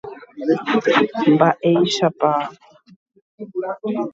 he'íjeko upémarõ ña Maria